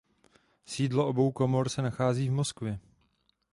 Sídlo obou komor se nachází v Moskvě.